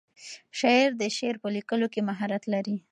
شاعر د شعر په لیکلو کې مهارت لري.